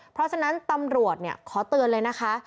เพราะฉะนั้นตำรวจขอเตือนเลยนะคะ